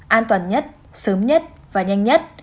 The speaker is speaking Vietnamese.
an toàn nhất sớm nhất và nhanh nhất